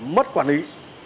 mất quản lý